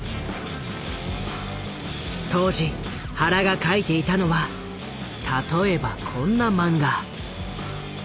当時原が描いていたのは例えばこんな漫画。